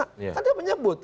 kan dia menyebut